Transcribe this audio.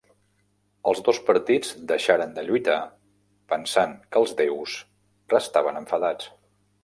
Els dos partits deixaren de lluitar pensant que els déus restaven enfadats.